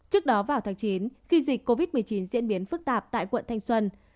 trước đó vào tháng chín khi dịch covid một mươi chín diễn biến phức tạp tại quận thanh xuân